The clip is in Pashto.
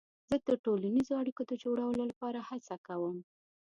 زه د ټولنیزو اړیکو د جوړولو لپاره هڅه کوم.